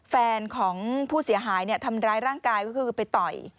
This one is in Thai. แฟนของผู้เสียหายทำร้ายร่างกายก็คือไปต่อย